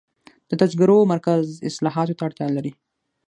د تذکرو مرکز اصلاحاتو ته اړتیا لري.